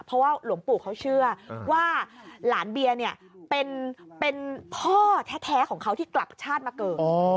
เพราะว่าหลวงปู่เขาเชื่อว่าหลานเบียร์เนี่ยเป็นพ่อแท้ของเขาที่กลับชาติมาเกิด